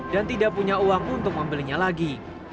dan tidak punya uang untuk membelinya lagi